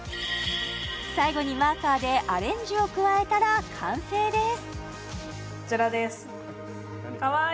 最後にマーカーでアレンジを加えたら完成ですこちらです可愛い！